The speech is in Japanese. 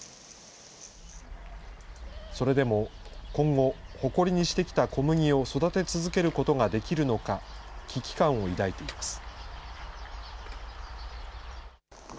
それでも今後、誇りにしてきた小麦を育て続けることができるのか、危機感を抱いています。